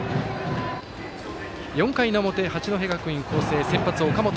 ４回の表、八戸学院光星先発、岡本。